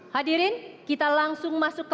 hadirin kita langsung masuk ke